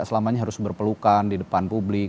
selamanya harus berpelukan di depan publik